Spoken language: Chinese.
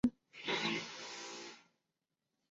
曾任福建漳州镇总兵。